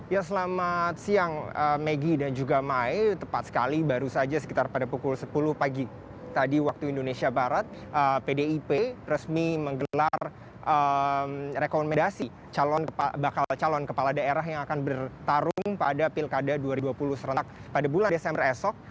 ya selamat siang maggie dan juga mae tepat sekali baru saja sekitar pada pukul sepuluh pagi tadi waktu indonesia barat pdip resmi menggelar rekomendasi bakal calon kepala daerah yang akan bertarung pada pilkada dua ribu dua puluh serentak pada bulan desember esok